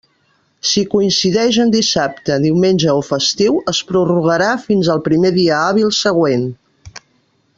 Si coincideix en dissabte, diumenge o festiu, es prorrogarà fins al primer dia hàbil següent.